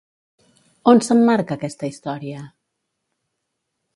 On s'emmarca aquesta història?